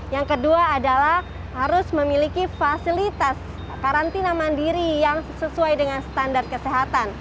yang kedua adalah harus memiliki fasilitas karantina mandiri yang sesuai dengan standar kesehatan